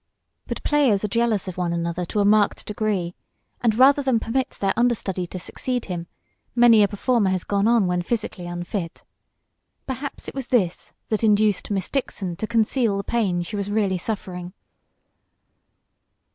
But players are jealous of one another to a marked degree, and rather than permit their understudy to succeed him, many a performer has gone on when physically unfit. Perhaps it was this that induced Miss Dixon to conceal the pain she was really suffering.